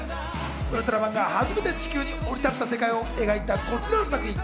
ウルトラマンが初めて地球に降り立った世界を描いたこちらの作品。